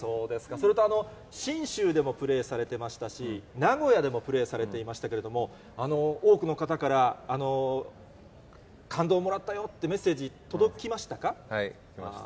それと、信州でもプレーされてましたし、名古屋でもプレーされていましたけれども、多くの方から感動をもらったよっていうメッセージ、はい、来ました。